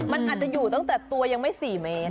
มันอาจจะอยู่ตั้งแต่ตัวยังไม่๔เมตร